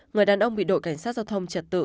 người đàn ông bị đội cảnh sát giao thông trật tự